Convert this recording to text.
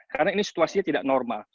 karena ini situasinya tidak normal